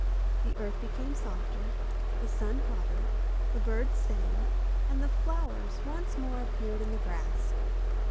The earth became softer, the sun hotter, the birds sang, and the flowers once more appeared in the grass.